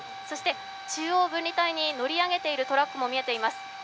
そして中央分離帯に乗り上げているトラックも見えます。